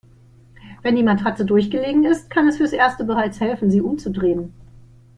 Wenn die Matratze durchgelegen ist, kann es fürs Erste bereits helfen, sie umzudrehen.